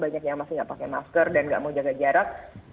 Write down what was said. banyak yang masih nggak pakai masker dan nggak mau jaga jarak